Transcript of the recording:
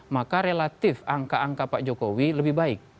maka relatif angka angka pak jokowi lebih baik